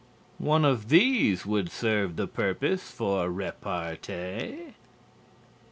One of these would serve the purpose for repartee.